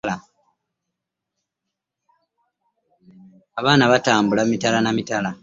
Abaana batambula mitala na mitala.